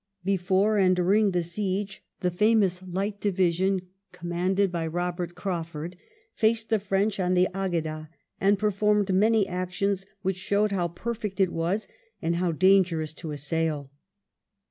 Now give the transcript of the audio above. Before and during the siege the famous Light Division, commanded by Robert Craufurd, faced the French on the Agueda, and performed many actions which showed how perfect it was, and how dangerous to assail.